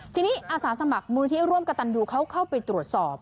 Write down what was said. ทีนี้อาสาสมัครมูลที่ร่วมกระตันยูเขาเข้าไปตรวจสอบ